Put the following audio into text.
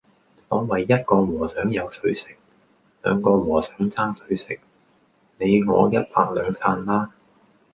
所謂一個和尚有水食，兩個和尚爭水食，你我一拍兩散啦